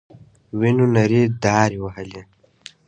وينو نرۍ دارې وهلې.